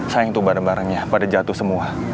sayang tuh bareng barengnya pada jatuh semua